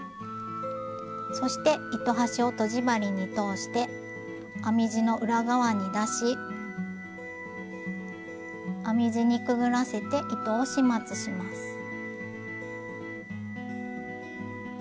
そして糸端をとじ針に通して編み地の裏側に出し編み地にくぐらせて糸を始末します。